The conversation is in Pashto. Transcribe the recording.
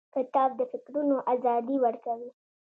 کتاب د فکرونو ازادي ورکوي.